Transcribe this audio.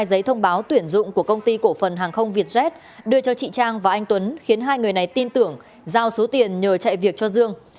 giấy thông báo tuyển dụng của công ty cổ phần hàng không vietjet đưa cho chị trang và anh tuấn khiến hai người này tin tưởng giao số tiền nhờ chạy việc cho dương